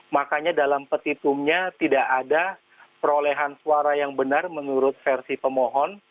makanya dalam petitumnya tidak ada perolehan suara yang benar menurut versi pemohon